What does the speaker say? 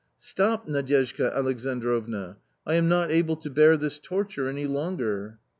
" Stop, Nadyezhda Alexandrovna ; I am not able to bear this torture any longer."